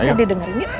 masih didengar ini